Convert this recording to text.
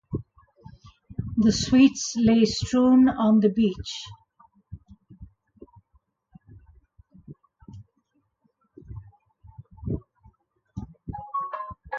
The sweets lay strewn on the bench.